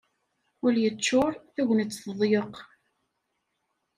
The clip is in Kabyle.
Ul yeččur, tagnit teḍyeq.